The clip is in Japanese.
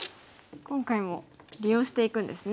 今回も利用していくんですね。